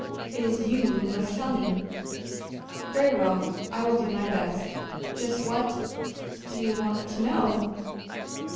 It is you who must tell me." "Very well, I will do my best. Just what do you want to know?"